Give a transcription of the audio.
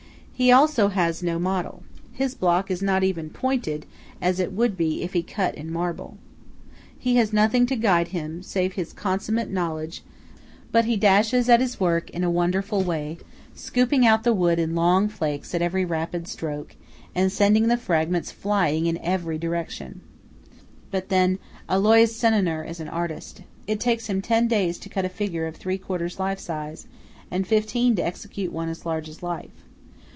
He also has no model. His block is not even pointed, as it would be if he cut in marble. He has nothing to guide him, save his consummate knowledge but he dashes at his work in a wonderful way, scooping out the wood in long flakes at every rapid stroke, and sending the fragments flying in every direction. But then Alois Senoner is an artist. It takes him ten days to cut a figure of three quarters life size, and fifteen to execute one as large as life.